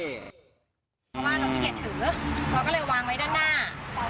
เพราะว่าเราขี้เกียจถือเราก็เลยวางไว้ด้านหน้า